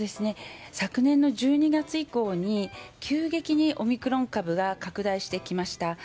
昨年の１２月以降に急激にオミクロン株が拡大してきました。